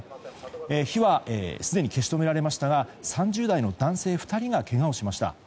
火はすでに消し止められましたが３０代の男性２人がけがをしました。